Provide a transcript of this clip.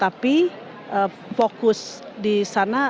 tapi saya tidak terlalu fokus di sana